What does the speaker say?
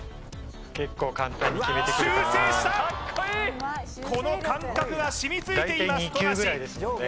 結構簡単に決めてくるかな修正したこの感覚が染みついています